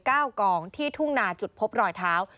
กองที่ทุ่งนาจุดพบรอยเท้า